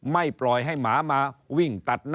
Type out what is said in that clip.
ไม่ปล่อยให้หมามาวิ่งตัดหน้าถนนหนทาง